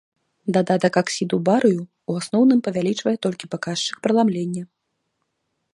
Дадатак аксіду барыю ў асноўным павялічвае толькі паказчык праламлення.